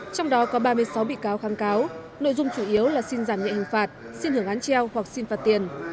trong đó có ba mươi sáu bị cáo kháng cáo nội dung chủ yếu là xin giảm nhẹ hình phạt xin hưởng án treo hoặc xin phạt tiền